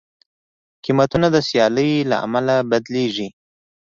قیمتونه د سیالۍ له امله بدلېږي.